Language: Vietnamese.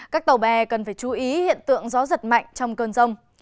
các tàu bè cần phải chú ý hiện tượng gió giật mạnh trong cơn rông